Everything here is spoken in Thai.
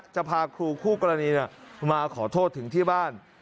จะพาครูคู่กรณีมาขอโทษถึงที่บ้าน